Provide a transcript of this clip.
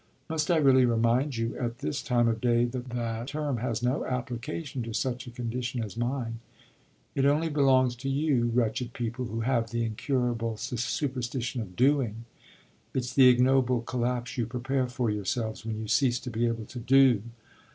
"Must I really remind you at this time of day that that term has no application to such a condition as mine? It only belongs to you wretched people who have the incurable superstition of 'doing'; it's the ignoble collapse you prepare for yourselves when you cease to be able to do.